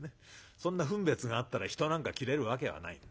そんな分別があったら人なんか斬れるわけはないんで。